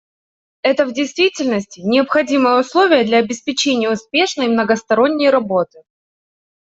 Это, в действительности, — необходимое условие для обеспечения успешной многосторонней работы.